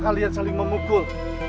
kenapa kalian saling memukul